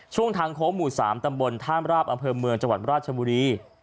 ช่วงทางโค้งหมู่๓ตำบลท่ามระราบอังเภอเมืองจับถวันบิราชชะโบรี